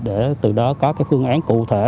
để từ đó có phương án cụ thể